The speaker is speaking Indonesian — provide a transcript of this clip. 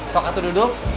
sok atau duduk